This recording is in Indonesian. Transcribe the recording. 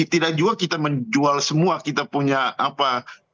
tidak juga kita menjual semua kita punya apa